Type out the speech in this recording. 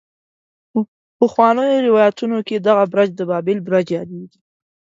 په پخوانو روايتونو کې دغه برج د بابل برج يادېږي.